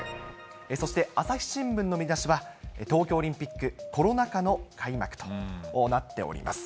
そして朝日新聞の見出しは、東京オリンピック、コロナ下の開幕となっております。